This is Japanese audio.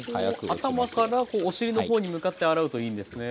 頭からお尻の方に向かって洗うといいんですね。